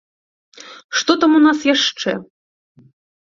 Што там у нас яшчэ?